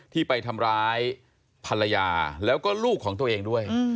ที่ไปทำร้ายภรรยาแล้วก็ลูกของตัวเองด้วย